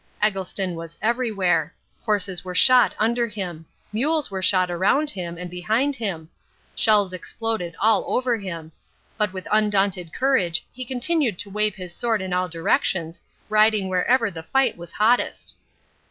Eggleston was everywhere. Horses were shot under him. Mules were shot around him and behind him. Shells exploded all over him; but with undaunted courage he continued to wave his sword in all directions, riding wherever the fight was hottest.